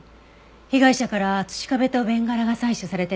被害者から土壁とベンガラが採取されてて。